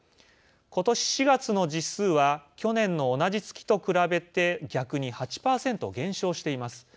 ことし４月の実数は去年の同じ月と比べて逆に８％減少しています。